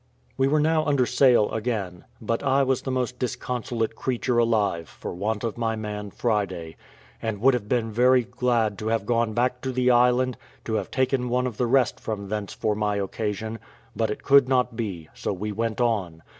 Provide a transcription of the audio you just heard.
We were now under sail again, but I was the most disconsolate creature alive for want of my man Friday, and would have been very glad to have gone back to the island, to have taken one of the rest from thence for my occasion, but it could not be: so we went on.